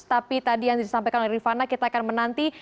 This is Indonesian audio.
tapi tadi yang disampaikan oleh rifana kita akan menanti